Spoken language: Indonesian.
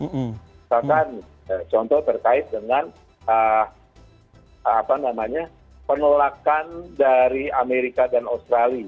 misalkan contoh terkait dengan penolakan dari amerika dan australia